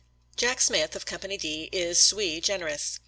•♦• Jack Smith, of Company D, is sui generis.